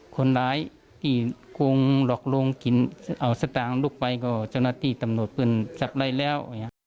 คนร้ายที่คงหลอกลวงกินเอาสตางค์ลูกไปก็เจ้าหน้าที่ตำรวจเพื่อนจับได้แล้ว